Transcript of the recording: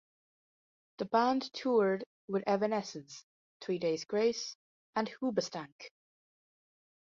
The band toured with Evanescence, Three Days Grace, and Hoobastank.